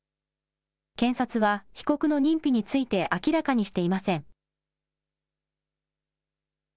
検察は被告の認否について明らかにしていません。